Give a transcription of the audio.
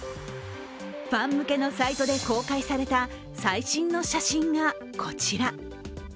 ファン向けのサイトで公開された最新の写真がこちら。